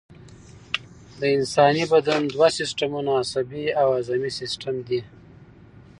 د انساني بدن دوه مهم سیستمونه عصبي او هضمي سیستم دي